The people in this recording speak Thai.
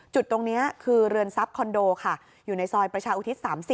จุดตรงนี้คือเรือนทรัพย์คอนโดค่ะอยู่ในซอยประชาอุทิศ๓๐